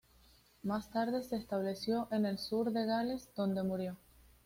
Más tarde se estableció en el sur de Gales, donde murió.